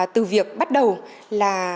từ việc bắt đầu là